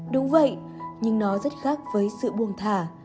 đúng vậy nhưng nó rất khác với sự buông thả